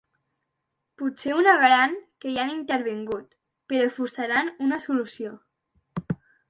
Potser ho negaran, que hi han intervingut, però forçaran una solució.